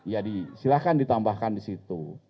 ya silahkan ditambahkan disitu